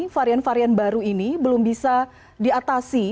varian varian baru ini belum bisa diatasi